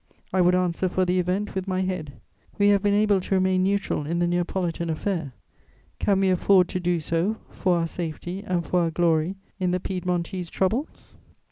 I would answer for the event with my head. We have been able to remain neutral in the Neapolitan affair; can we afford to do so, for our safety and for our glory, in the Piedmontese troubles?"